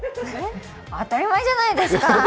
当たり前じゃないですか。